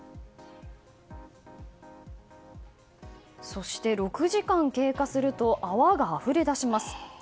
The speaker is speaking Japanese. そして、６時間経過すると泡があふれ出します。